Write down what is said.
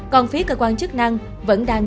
còn phía cơ quan chức năng vẫn đang